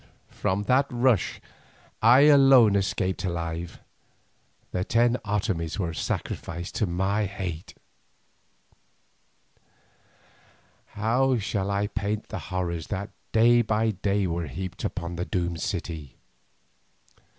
From that rush I alone escaped alive, the ten Otomies were sacrificed to my hate. How shall I paint the horrors that day by day were heaped upon the doomed city?